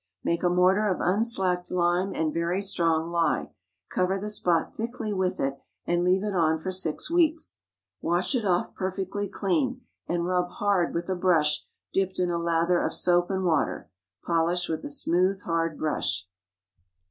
Make a mortar of unslacked lime and very strong lye. Cover the spot thickly with it and leave it on for six weeks. Wash it off perfectly clean, and rub hard with a brush dipped in a lather of soap and water. Polish with a smooth, hard brush.